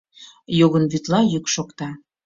Йогын вӱдла йӱк шокта.